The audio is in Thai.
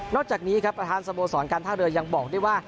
จากนี้ครับประธานสโมสรการท่าเรือยังบอกด้วยว่า